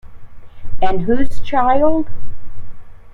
And whose child?